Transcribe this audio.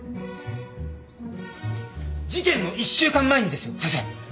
事件の１週間前にですよ先生。